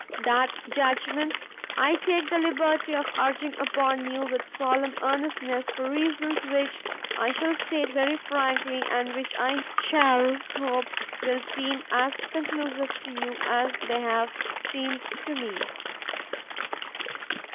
That judgment, I take the liberty of urging upon you with solemn earnestness for reasons which I shall state very frankly and which I shall hope will seem as conclusive to you as they have seemed to me.